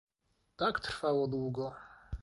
"Tak trwało długo..."